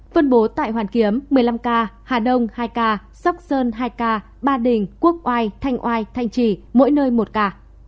phân bố tại hoàn kiếm một mươi năm ca hà đông hai ca sóc sơn hai ca ba đình quốc oai thanh oai thanh trì mỗi nơi một ca